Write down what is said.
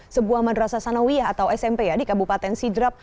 sebuah madrasa sanawiah atau smp di kabupaten sidrap